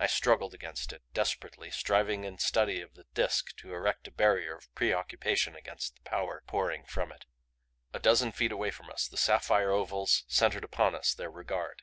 I struggled against it, desperately, striving in study of the Disk to erect a barrier of preoccupation against the power pouring from it. A dozen feet away from us the sapphire ovals centered upon us their regard.